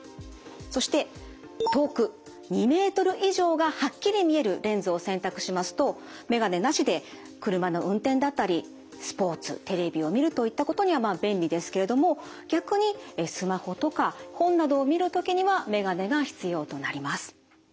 そして遠く２ｍ以上がはっきり見えるレンズを選択しますと眼鏡なしで車の運転だったりスポーツテレビを見るといったことにはまあ便利ですけれども逆にスマホとか本などを見る時には眼鏡が必要となります。